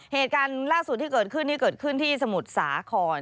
เหตุการณ์ล่าสุดที่เกิดขึ้นนี่เกิดขึ้นที่สมุทรสาคร